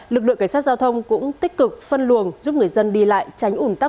lực lượng cảnh sát giao thông cũng tích cực phân luồng giúp người dân đi lại tránh ủn tắc